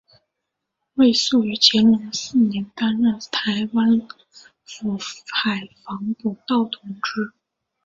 魏素于乾隆四年担任台湾府海防补盗同知。